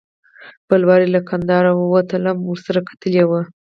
بل وار چې له کندهاره وتلم ورسره کتلي و.